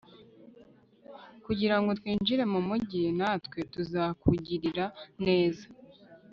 kugira ngo twinjire mu mugi; natwe tuzakugirira neza